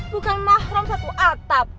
bukan mahrum satu atap